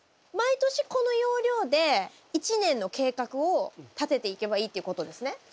毎年この要領で１年の計画を立てていけばいいっていうことですね？